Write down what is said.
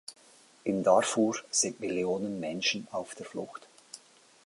In Darfur sind Millionen Menschen auf der Flucht.